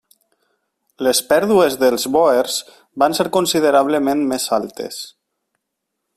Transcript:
Les pèrdues dels bòers van ser considerablement més altes.